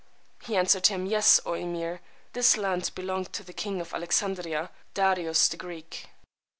He answered him, Yes, O Emeer: this land belonged to the King of Alexandria, Darius the Greek.